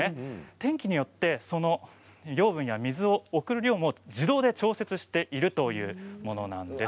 天気によって養分や水を送る量も自動で調節しているというものなんです。